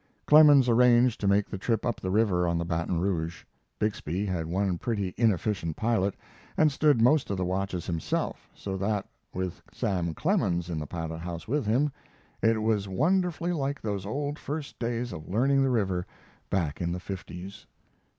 Clemens arranged to make the trip up the river on the Baton Rouge. Bixby had one pretty inefficient pilot, and stood most of the watches himself, so that with "Sam Clemens" in the pilot house with him, it was wonderfully like those old first days of learning the river, back in the fifties.